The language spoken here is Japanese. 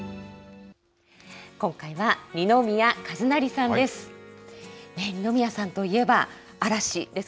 今回は、二宮和也さんです。